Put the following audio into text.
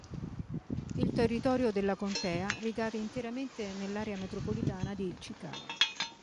Il territorio della contea ricade interamente nell'area metropolitana di Chicago.